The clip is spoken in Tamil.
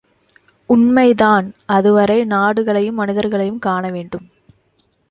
உண்மைதான் அதுவரை நாடுகளையும் மனிதர்களையும் காணவேண்டும்.